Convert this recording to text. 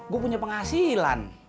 gue punya penghasilan